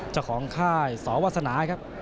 เจ้าของค่ายสรวาสนาครับ